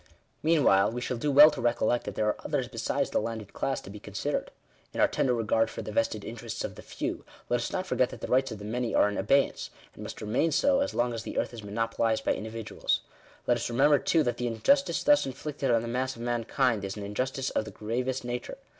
Meanwhile, we shall do well to recollect, that there are others besides the landed class to be considered. In our tender re gard for the vested interests of the few, let us not forget that the rights of the many are in abeyance ; and must remain so, as long as the earth is monopolised by individuals. Let us remember, too, that the injustice thus inflicted on the mass of mankind, is an injustice of the gravest nature.